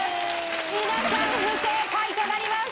皆さん不正解となります。